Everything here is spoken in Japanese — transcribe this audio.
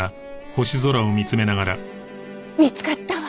見つかったわ！